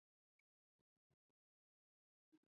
济宁市位于兖州的西南方向。